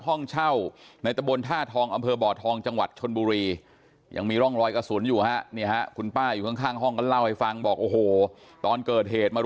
ห้องเช่าในตระบวนท่าทองด์อำเภอบ่อทอม